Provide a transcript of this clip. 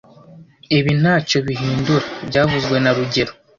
Ibi ntacyo bihindura byavuzwe na rugero